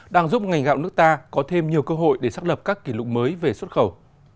đang giúp ngành gạo nước ta có thêm nhiều cơ hội để xác lập các kỷ lục mới về xuất khẩu